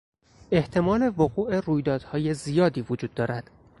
احتمال وقوع رویدادهای زیادی وجود دارد.